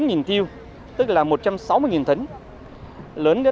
cùng với những hãng tàu cùng với những hãng tàu top ba thế giới